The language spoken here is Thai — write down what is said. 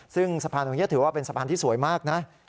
ซึ่งสะพานตรงนี้ถือว่าเป็นสะพานที่สวยมากนะ